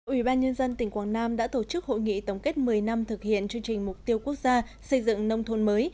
ủy ban nhân dân tỉnh quảng nam đã tổ chức hội nghị tổng kết một mươi năm thực hiện chương trình mục tiêu quốc gia xây dựng nông thôn mới